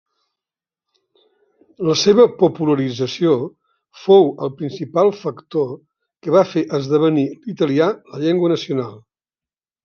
La seva popularització fou el principal factor que va fer esdevenir l'italià la llengua nacional.